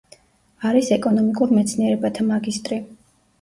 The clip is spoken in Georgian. არის ეკონომიკურ მეცნიერებათა მაგისტრი.